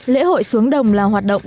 lễ hội xuống đồng là hoạt động